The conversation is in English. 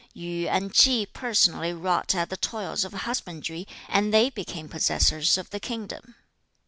Yu and Chi personally wrought at the toils of husbandry, and they became possessors of the kingdom.'